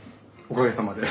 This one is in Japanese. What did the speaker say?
おかげさまで。